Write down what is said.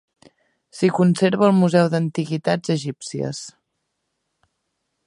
S'hi conserva al Museu d'Antiguitats Egípcies.